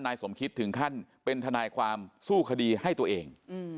นายสมคิดถึงขั้นเป็นทนายความสู้คดีให้ตัวเอง